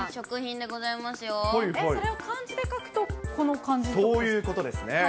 それを漢字で書くと、この漢そういうことですね。